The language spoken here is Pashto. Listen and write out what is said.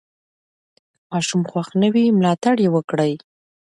که ماشوم خوښ نه وي، ملاتړ یې وکړئ.